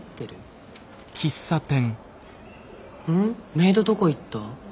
メイドどこ行った？